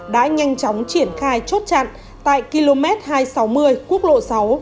đã nhanh chóng triển khai chốt chặn tại km hai trăm sáu mươi quốc lộ sáu